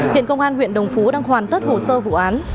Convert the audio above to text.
hiện công an huyện đồng phú đang hoàn tất hồ sơ vụ án